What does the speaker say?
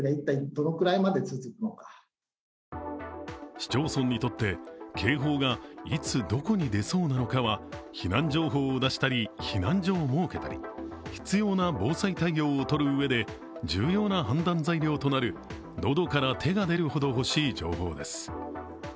市町村にとって、警報がいつどこに出そうなのかは避難情報を出したり避難所を設けたり必要な防災対応をとるうえで重要な判断材料となる喉から手が出るほど欲しい情報です。